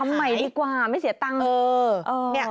ใหม่ดีกว่าไม่เสียตังค์